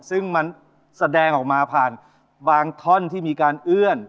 ซึ่งมันแสดงออกมาผ่านบางท่อนที่มีการเอื้อน